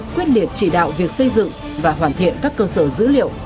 quyết liệt chỉ đạo việc xây dựng và hoàn thiện các cơ sở dữ liệu